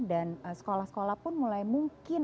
sekolah sekolah pun mulai mungkin